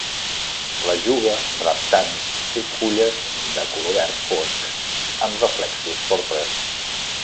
L'Ajuga reptans té fulles de color verd fosc amb reflexos porpres.